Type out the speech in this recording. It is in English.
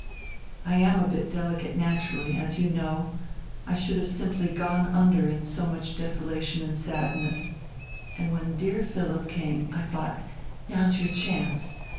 I am a bit delicate naturally, as you know, I should have simply gone under in so much desolation and sadness, and when dear Philipp came, I thought: now's your chance.